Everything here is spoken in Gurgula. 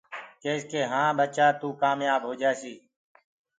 ڪيس ڪي هآنٚ ٻچآ ڪي توُ ڪآميآب هوجآسيٚ۔